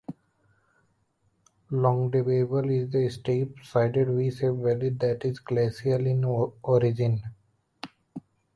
Longdendale is a steep-sided V-shaped valley that is glacial in origin.